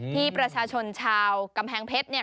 ที่ประชาชนชาวกำแพงเพชร